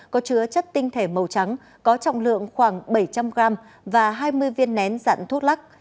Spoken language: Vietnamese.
có chứa chất tinh thể màu trắng có trọng lượng khoảng bảy trăm linh gram và hai mươi viên nén dạng thuốc lắc